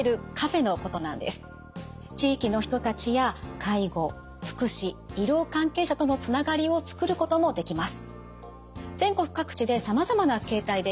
地域の人たちや介護福祉医療関係者とのつながりをつくることもできます。